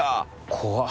怖っ。